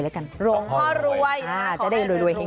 จะได้ลงพ่อรวยเท่ง